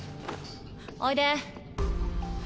おいで。